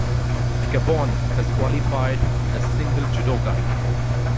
Gabon has qualified a single judoka.